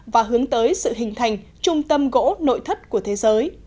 và hướng tới sự hình thành trung tâm gỗ nội thất của thế giới